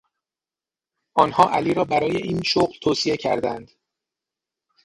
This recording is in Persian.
آنها علی را برای این شغل توصیه کردهاند.